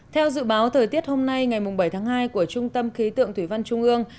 theo dự báo thời tiết hôm nay ngày bảy tháng hai của trung tâm khí tượng thủy văn trung ương